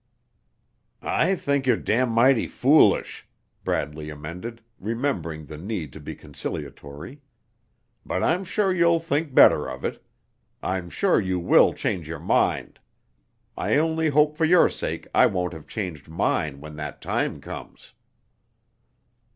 "I think you're da mighty foolish!" Bradley amended, remembering the need to be conciliatory. "But I'm sure you'll think better of it. I'm sure you will change your mind. I only hope for your sake I won't have changed mine when that time comes!"